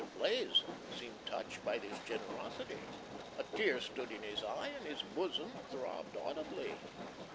Blaze seemed touched by this generosity. A tear stood in his eye and his bosom throbbed audibly.